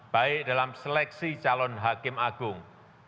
baik dalam seleksi calon hakim agung